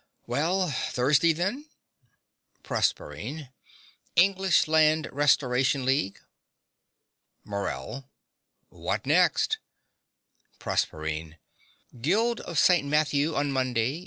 Well, Thursday then? PROSERPINE. English Land Restoration League. MORELL. What next? PROSERPINE. Guild of St. Matthew on Monday.